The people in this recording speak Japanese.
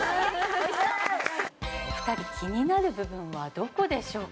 お二人気になる部分はどこでしょうか？